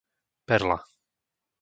Perla